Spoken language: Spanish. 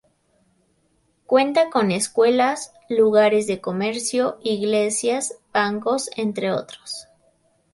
Cuenta con escuelas, lugares de comercio, iglesias, bancos, entre otros.